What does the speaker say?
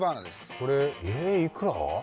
これえっいくら？